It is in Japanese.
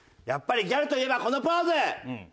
やっぱりギャルといえばこのポーズ。